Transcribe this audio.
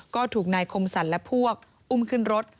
ก็ถูกนายคมสรรและพวกอุ้มขึ้นรถ